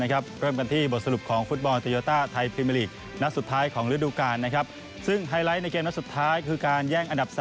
แล้วอย่างทะเลและก่อนหน้าเหลือครับ